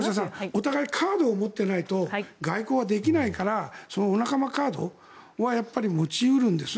お互いカードを持ってないと外交はできないからお仲間カードは持ち得るんです。